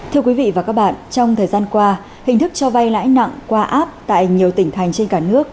thưa quý vị và các bạn trong thời gian qua hình thức cho vay lãi nặng qua áp tại nhiều tỉnh thành trên cả nước